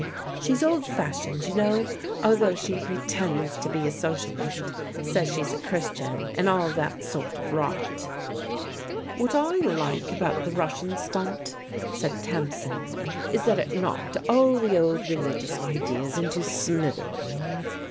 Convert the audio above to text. She's old fashioned, you know, although she pretends to be a socialist. Says she's a Christian and all that sort of rot." " What I like about the Russian stunt,' said Tamsin, " is that it knocked all the old religious ideas into smith ereens.